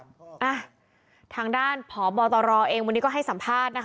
อ่ะทางด้านพบตรเองวันนี้ก็ให้สัมภาษณ์นะคะ